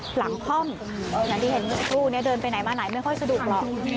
หลังคล่อมอย่างที่เห็นเมื่อสักครู่นี้เดินไปไหนมาไหนไม่ค่อยสะดวกหรอก